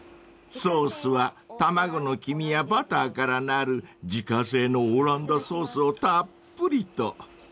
［ソースは卵の黄身やバターからなる自家製のオランダソースをたっぷりと］